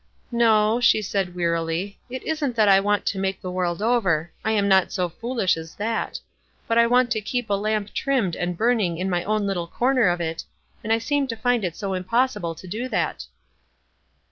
" No," she said wearily. "It isn't that I want to make the world over. I am not so foolish as that ; but I want to keep a lamp trimmed and burning in my own little corner of it, and I seem to find it so impossible to do that."